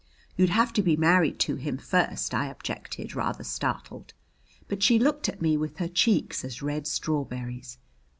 "You'd have to be married to him first," I objected, rather startled. But she looked at me with her cheeks as red strawberries.